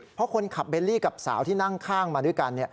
เพราะคนขับเบลลี่กับสาวที่นั่งข้างมาด้วยกัน